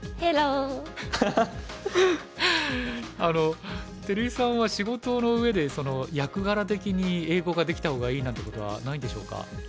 あの照井さんは仕事の上で役柄的に英語ができた方がいいなんてことはないんでしょうか？